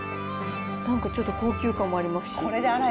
なんかちょっと高級感もありますし。